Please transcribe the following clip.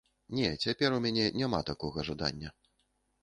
Не, цяпер у мяне няма такога жадання.